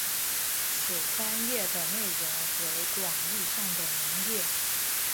此专页的内容为广义上的农业。